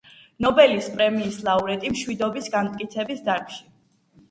ნობელის პრემიის ლაურეატი მშვიდობის განმტკიცების დარგში.